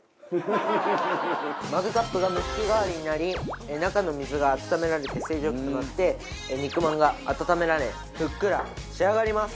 マグカップが蒸し器代わりになり中の水が温められて水蒸気となって肉まんが温められふっくら仕上がります。